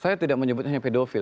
saya tidak menyebutnya pedofil